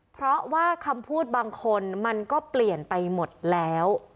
เพราะว่าคำพูดบางคนมันก็เปลี่ยนไปหมดแล้ว